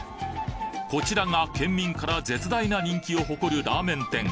こちらが県民から絶大な人気を誇るラーメン店